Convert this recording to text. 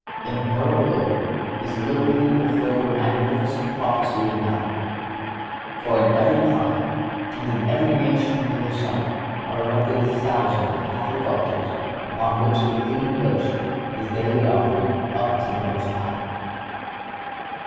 In her alone is literally fulfilled the magnificent prophecy of Malachy; for in every clime, and in every nation under the sun, are erected thousands of Catholic altars upon which the "clean oblation"(68) is daily offered up to the Most High.